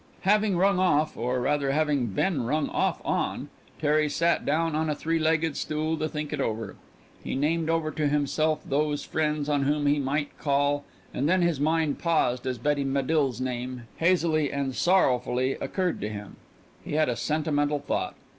Having rung off, or rather having been rung off on, Perry sat down on a three legged stool to think it over. He named over to himself those friends on whom he might call, and then his mind paused as Betty Medill's name hazily and sorrowfully occurred to him. He had a sentimental thought.